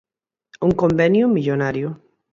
Un convenio millonario